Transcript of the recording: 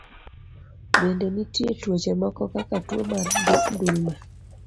Bende, nitie tuoche moko kaka tuo mar ndulme.